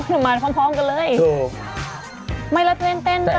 เยอะตั้งแต่เราไม่รู้สึกว่ามันพร้อมกันเลย